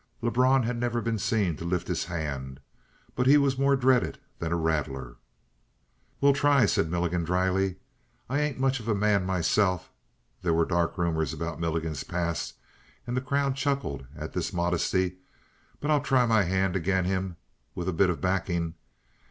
Lebrun had never been seen to lift his hand, but he was more dreaded than a rattler. "We'll try," said Milligan dryly. "I ain't much of a man myself" there were dark rumors about Milligan's past and the crowd chuckled at this modesty "but I'll try my hand agin' him with a bit of backing.